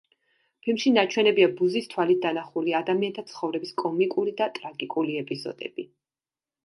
ფილმში ნაჩვენებია ბუზის თვალით დანახული ადამიანთა ცხოვრების კომიკური და ტრაგიკული ეპიზოდები.